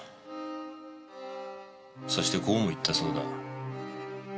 そしてこうも言ったそうだ。